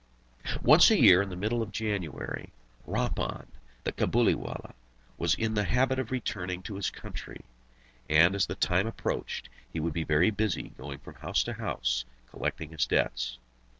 Once a year in the middle of January Rahmun, the Cabuliwallah, was in the habit of returning to his country, and as the time approached he would be very busy, going from house to house collecting his debts.